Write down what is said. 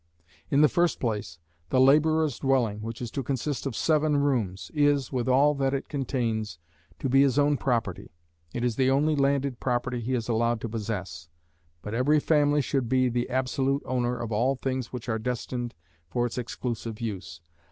In the first place the labourer's dwelling, which is to consist of seven rooms, is, with all that it contains, to be his own property: it is the only landed property he is allowed to possess, but every family should be the absolute owner of all things which are destined for its exclusive use.